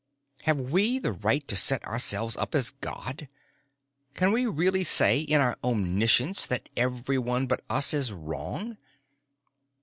Have we the right to set ourselves up as God? Can we really say, in our omniscience, that everyone but us is wrong?